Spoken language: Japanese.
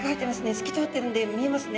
透き通ってるんで見えますね。